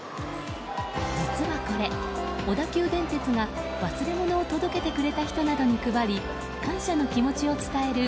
実はこれ、小田急電鉄が忘れ物を届けてくれた人などに配り感謝の気持ちを伝える